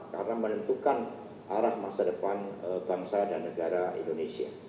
karena menentukan arah masa depan bangsa dan negara indonesia